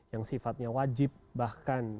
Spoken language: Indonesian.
yang sifatnya wajib bahkan